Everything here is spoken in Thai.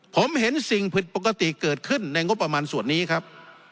ผมเห็นสิ่งผิดปกติเกิดขึ้นในงบประมาณส่วนนี้ครับ